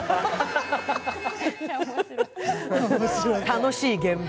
楽しい現場。